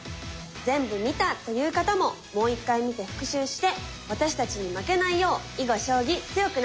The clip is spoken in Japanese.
全部見たという方ももう一回見て復習して私たちに負けないよう囲碁将棋強くなって下さいね。